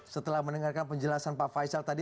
setelah mendengarkan penjelasan pak faisal tadi